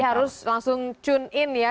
jadi harus langsung tune in ya